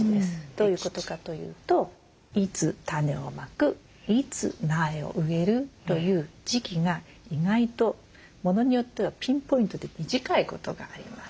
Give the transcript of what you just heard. どういうことかというといつ種をまくいつ苗を植えるという時期が意外と物によってはピンポイントで短いことがあります。